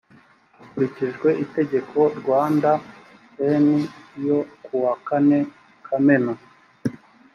hakurikijwe itegeko rwanda n yo kuwa kane kamena